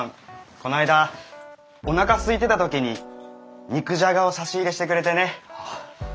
この間おなかすいてた時に肉じゃがを差し入れしてくれてね。